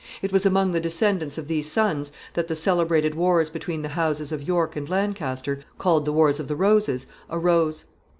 It was among the descendants of these sons that the celebrated wars between the houses of York and Lancaster, called the wars of the roses, arose.